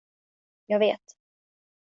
Jag vet.